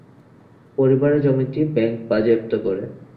পরিবারের জমিটি ব্যাংক বাজেয়াপ্ত করে।